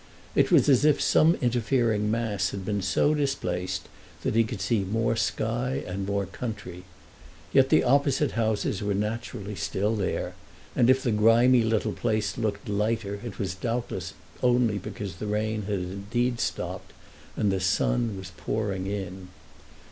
It was as if some interfering mass had been so displaced that he could see more sky and more country. Yet the opposite houses were naturally still there, and if the grimy little place looked lighter it was doubtless only because the rain had indeed stopped and the sun was pouring in.